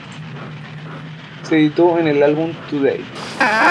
Se edito en el álbum Today!